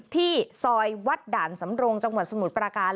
ที่ซอยวัดด่านสำรงจังหวัดสมุทรประการ